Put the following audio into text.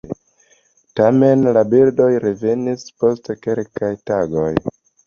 Tamen la birdoj revenis post kelkaj tagoj.